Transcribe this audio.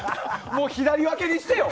もう左分けにしてよ！